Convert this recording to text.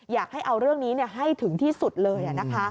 อยากให้เอาเรื่องนี้ให้ถึงที่สุดเลย